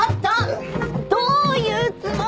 どういうつもりなの！？